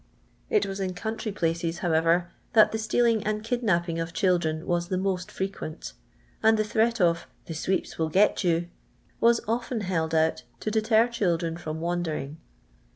It was in country places, however, that the stealing and kidnapping of children was the most frequent, and the threat of " the sweeps will get you" was often held out, to deter children fi^m wandering.